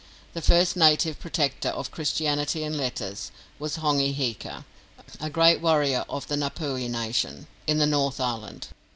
The first native protector of Christianity and letters was Hongi Hika, a great warrior of the Ngapuhi nation, in the North Island.